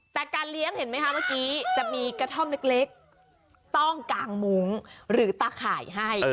แต่การเลี้ยงเห็นไหมคะเมื่อกี้จะมีกระท่อมเล็กต้องกางมุ้งหรือตาข่ายให้